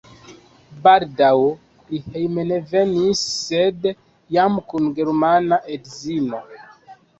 Baldaŭ li hejmenvenis sed jam kun germana edzino.